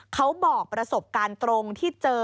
เขาบอกประสบการณ์ตรงที่เจอ